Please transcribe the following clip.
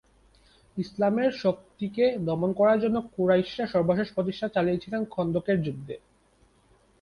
ইসলামের শক্তিকে দমন করার জন্য কুরাইশরা সর্বশেষ প্রচেষ্টা চালিয়েছিল খন্দকের যুদ্ধে।